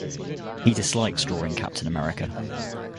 He dislikes drawing Captain America.